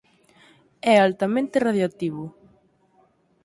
É altamente radioactivo.